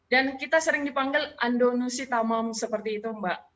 dan kita sering dipanggil andonusi tamam seperti itu mbak